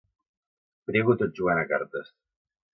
Prego tot jugant a cartes.